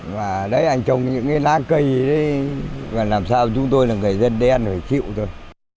và lấy anh trồng những cái lá cây đấy và làm sao chúng tôi là người dân đen phải chịu thôi